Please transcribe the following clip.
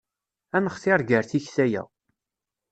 Ad nextir gar tikta-ya.